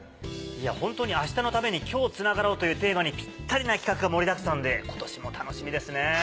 「明日のために、今日つながろう。」というテーマにピッタリな企画が盛りだくさんで今年も楽しみですね。